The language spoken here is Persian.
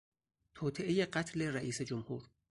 توطئهی قتل رییس جمهور